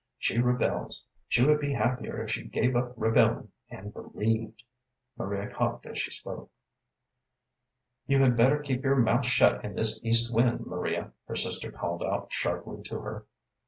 She rebels. She would be happier if she gave up rebelling and believed." Maria coughed as she spoke. "You had better keep your mouth shut in this east wind, Maria," her sister called out sharply to her.